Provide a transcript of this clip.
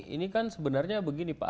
ini kan sebenarnya begini pak